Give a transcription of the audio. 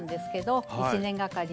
えっ１年がかり？